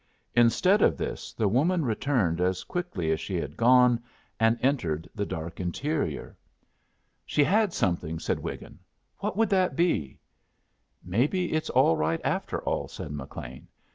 Instead of this, the woman returned as quickly as she had gone, and entered the dark interior. "She had something," said Wiggin. "What would that be?" "Maybe it's all right, after all," said McLean.